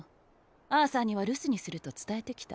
アーサーには留守にすると伝えてきた。